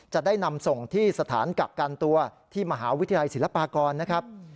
จะได้นำส่งที่สถานกักกันตัวที่มหาวิทยาลัยศิลปากรนะครับ